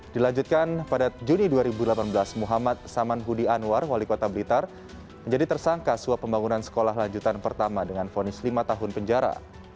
dilanjutkan pada juni dua ribu delapan belas muhammad samanhudi anwar wali kota blitar menjadi tersangka suap pembangunan sekolah lanjutan pertama dengan vonis lima tahun penjara